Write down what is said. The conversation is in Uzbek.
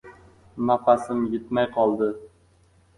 Nafasim yetmay qoldi.